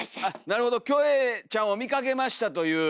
なるほどキョエちゃんを見かけましたという。